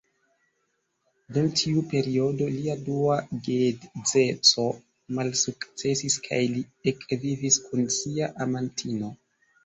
Dum tiu periodo, lia dua geedzeco malsukcesis kaj li ekvivis kun sia amantino.